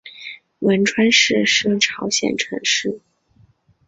文川市是朝鲜城市。